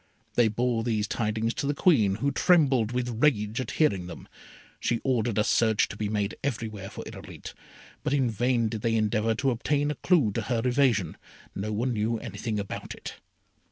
They bore these tidings to the Queen, who trembled with rage at hearing them. She ordered a search to be made everywhere for Irolite, but in vain did they endeavour to obtain a clue to her evasion, no one knew anything about it.